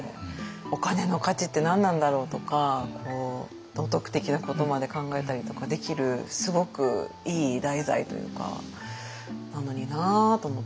お金の価値って何なんだろうとか道徳的なことまで考えたりとかできるすごくいい題材というかなのになと思って。